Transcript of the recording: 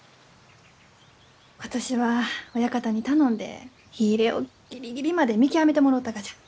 今年は親方に頼んで火入れをギリギリまで見極めてもろうたがじゃ。